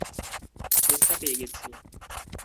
কেসটা পেয়ে গেছি।